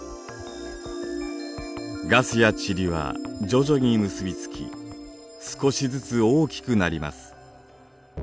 ガスや塵は徐々に結び付き少しずつ大きくなります。